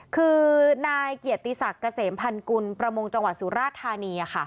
คือนายเกียรติศักดิ์เกษมพันกุลประมงจังหวัดสุราชธานี